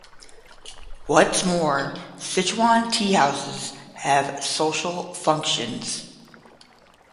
What's more, Sichuan teahouses have social functions.